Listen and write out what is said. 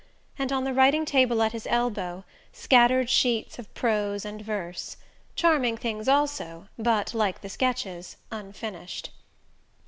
and, on the writing table at his elbow, scattered sheets of prose and verse; charming things also, but, like the sketches, unfinished.